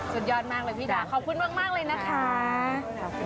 สุดยอดมากเลยพี่ดาขอบคุณมากเลยนะคะ